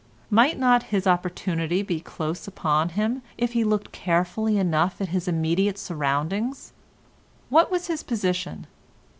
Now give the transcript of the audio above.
Might not his opportunity be close upon him if he looked carefully enough at his immediate surroundings? What was his position?